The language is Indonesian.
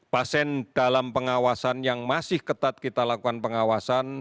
pasien dalam pengawasan yang masih ketat kita lakukan pengawasan